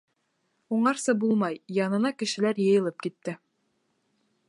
Уңарса булмай, янына кешеләр йыйылып китте.